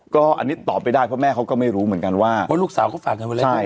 ก็อันนี้ตอบไม่ได้เพราะแม่เขาก็ไม่รู้เหมือนกันว่าเพราะลูกสาวเขาฝากเงินไว้แล้วไง